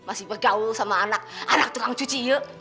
masih bergaul sama anak anak tukang cuci ya